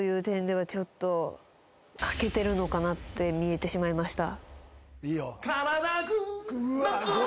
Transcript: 見えてしまいました。